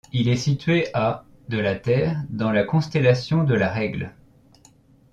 Il est situé à de la Terre dans la constellation de la Règle.